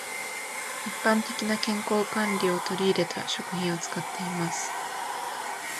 一般的な健康管理を取り入れた食品を使っています。